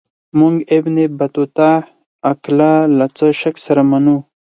موږ ابن بطوطه اقلا له څه شک سره منو.